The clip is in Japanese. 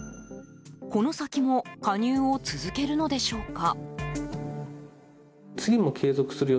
この先も加入を続けるのでしょうか。